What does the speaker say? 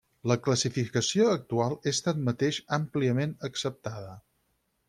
La classificació actual és tanmateix àmpliament acceptada.